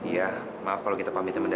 ya udah kalau gitu pamit dulu ya